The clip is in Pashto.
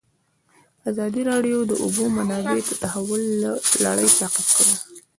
ازادي راډیو د د اوبو منابع د تحول لړۍ تعقیب کړې.